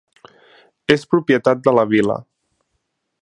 És propietat de la vila.